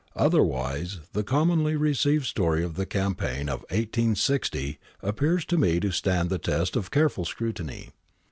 Otherwise the commonly received story of the campaign of i860 appears to me to stand the test of careful scrutiny.